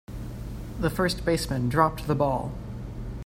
The first baseman dropped the ball.